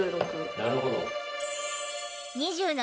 なるほど。